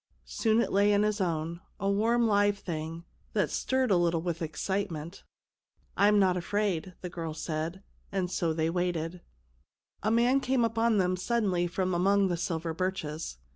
Soon it lay in his own, a warm live thing, that stirred a little with excitement. CHILDREN OF THE MOON 159 " I'm not afraid," the girl said ; and so they waited. The man came upon them suddenly from among the silver birches.